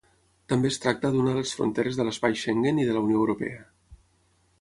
També es tracta d'una de les fronteres de l'espai Schengen i de la Unió Europea.